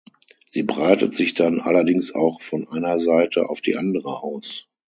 Sie breitet sich dann allerdings auch von einer Seite auf die andere aus.